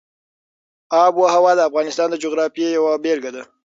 آب وهوا د افغانستان د جغرافیې یوه بېلګه ده.